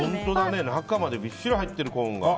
中までびっしり入ってるコーンが。